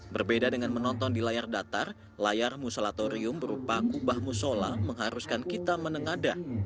berbeda dengan menonton di layar datar layar musolatorium berupa kubah musola mengharuskan kita menengadah